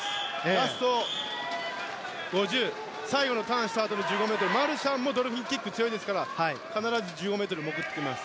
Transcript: ラスト５０最後のターンしたあとの１５ｍマルシャンもドルフィンキック強いですから必ず１５ｍ、潜ってきます。